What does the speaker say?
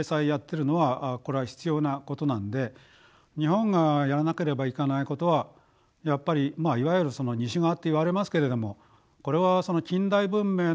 これは必要なことなので日本がやらなければいけないことはやっぱりいわゆる西側と言われますけれどもこれは近代文明の諸国ですよね。